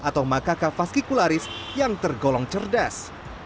atau makaka fascikularis yang tergolong cerdas